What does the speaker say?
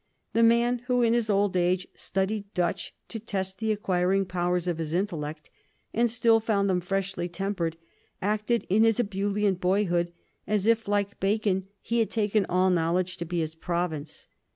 The man who in his old age studied Dutch to test the acquiring powers of his intellect, and still found them freshly tempered, acted in his ebullient boyhood as if, like Bacon, he had taken all knowledge to be his province.